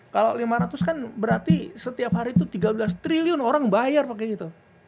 kalau lima ratus kan berarti setiap hari itu tiga belas triliun orang bayar pakai gitu